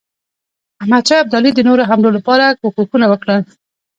احمدشاه ابدالي د نورو حملو لپاره کوښښونه وکړل.